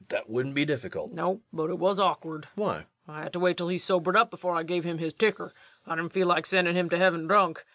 That wouldn't be difficult. LUKE. No, but it wuz awkward. REVENUE. Why? LUKE. I had to wait till he sobered up before I give him his ticker. I didn't feel like sendin' him to heaven drunk.